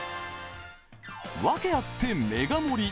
ワケあってメガ盛り！